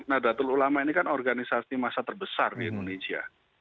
nada telulama ini kan organisasi masa terbesar di indonesia